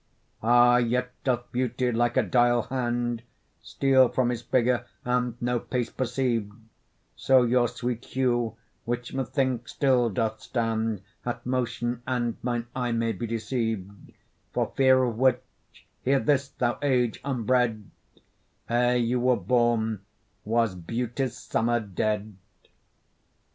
Ah! yet doth beauty like a dial hand, Steal from his figure, and no pace perceiv'd; So your sweet hue, which methinks still doth stand, Hath motion, and mine eye may be deceiv'd: For fear of which, hear this thou age unbred: Ere you were born was beauty's summer dead.